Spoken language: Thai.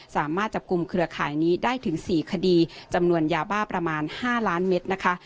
สามารถจับกลุ่มเครือข่ายนี้ได้ถึง๔คดีจำนวนยาบ้าประมาณ๕ล้านเมตรนะคะ